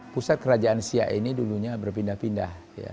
pusat kerajaan siap ini dulunya berpindah pindah